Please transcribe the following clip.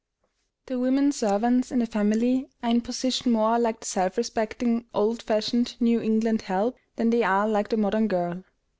The women servants in a family are in position more like the self respecting, old fashioned New England "help" than they are like the modern "girl."